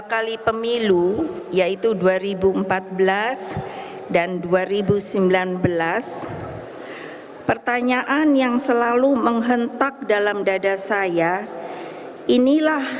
kali pemilu yaitu dua ribu empat belas dan dua ribu sembilan belas pertanyaan yang selalu menghentak dalam dada saya inilah